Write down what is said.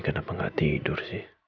kenapa kamu tidak tidur